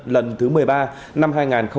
lần thứ một mươi ba năm hai nghìn hai mươi